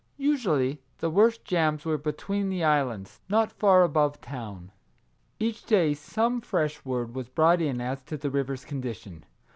Usually the worst jams were between the islands, not far above town. Each day some fresh word was brought in as to the river's condition.